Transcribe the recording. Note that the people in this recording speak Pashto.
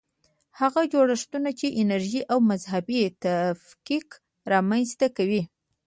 هغه جوړښتونه چې نژادي او مذهبي تفکیک رامنځته کوي.